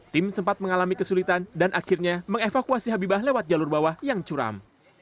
tim sempat mengalami kesulitan dan akhirnya mengevakuasi habibah lewat jalur bawah yang curam